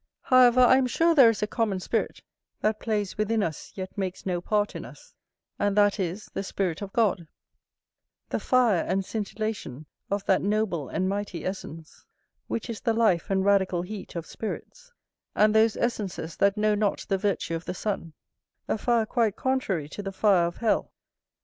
However, I am sure there is a common spirit, that plays within us, yet makes no part in us; and that is, the spirit of God; the fire and scintillation of that noble and mighty essence, which is the life and radical heat of spirits, and those essences that know not the virtue of the sun; a fire quite contrary to the fire of hell.